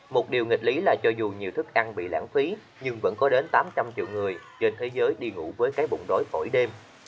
một điều nghịch lý là cho dù nhiều thức ăn bị lãng phí nhưng vẫn có đến tám trăm linh triệu người trên thế giới đi ngủ với cái bụng rối mỗi đêm